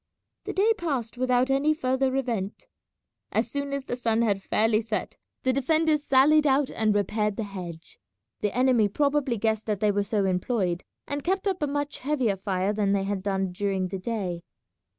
The day passed without any further event. As soon as the sun had fairly set the defenders sallied out and repaired the hedge. The enemy probably guessed that they were so employed, and kept up a much heavier fire than they had done during the day.